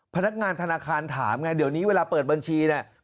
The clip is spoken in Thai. พนักงานธนาคารถามไงเดี๋ยวนี้เวลาเปิดบัญชีเนี่ย